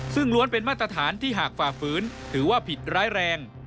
ซึ่งล้วนเป็นมาตรฐานที่หากฝ่าฝืนถือว่าผิดร้ายแรง